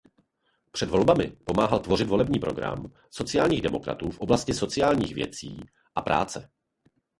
Před volbami pomáhal tvořit volební program sociálních demokratů v oblasti sociálních věcí a práce.